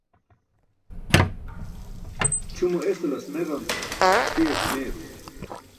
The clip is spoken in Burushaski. Ćʰumo esalas meġam, ṣiyas meyarum.